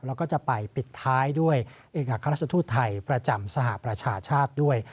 แล้วก็จะไปปิดท้ายด้วยเอกอัครราชทูตไทยประจำสหประชาชาติด้วย